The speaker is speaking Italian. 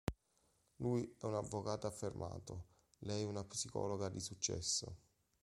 Lui è un avvocato affermato, lei una psicologa di successo.